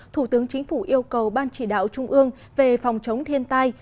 thủ tướng chính phủ yêu cầu ban chỉ đạo trung ương về phòng chống thiên tai